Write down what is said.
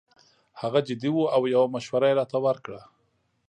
هغه جدي وو او یو مشوره یې راته ورکړه.